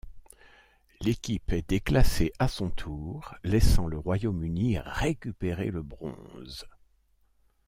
L'équipe est déclassée à son tour, laissant le Royaume-Uni récupérer le bronze.